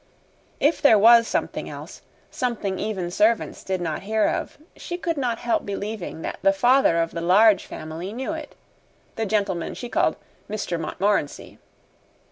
If there was something else something even servants did not hear of she could not help believing that the father of the Large Family knew it the gentleman she called Mr. Montmorency.